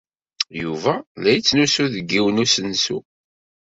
Yuba la yettnusu deg yiwen n usensu.